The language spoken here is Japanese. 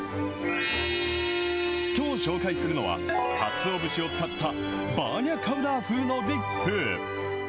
きょう紹介するのは、かつお節を使ったバーニャカウダ風のディップ。